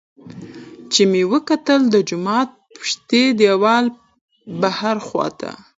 چې مې وکتل د جومات پشتۍ دېوال بهر خوا ته